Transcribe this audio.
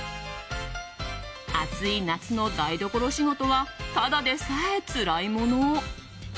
暑い夏の台所仕事はただでさえ、つらいもの。